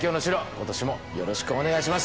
今年もよろしくお願いします。